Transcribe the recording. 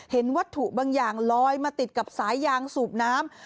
วัตถุบางอย่างลอยมาติดกับสายยางสูบน้ำ